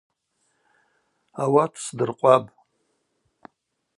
Ауат сдыркъвапӏ.